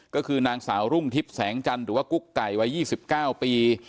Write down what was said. ก็คือนางสาวรุ่งทิพย์แสงจันทร์หรือว่ากุ๊กไก่วัย๒๙ปี